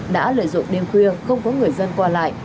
đã lợi dụng đêm khuya không có người dân qua lại